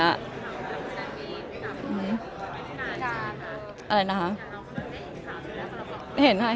อเรนนี่มีหลังไม้ไม่มี